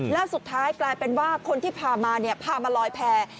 แล้วสุดท้ายกลายเป็นว่าคนที่พามาพามาลอยแพร่